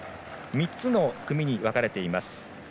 ３つの組に分かれています。